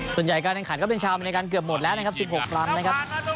ส่วนใหญ่การแข่งขันก็เป็นชาวอเมริกันเกือบหมดแล้วนะครับสิบหกครั้งนะครับ